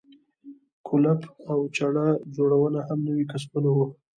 کولپ او چړه جوړونه هم نوي کسبونه وو.